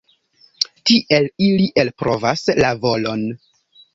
Tiel ili elprovas la volon.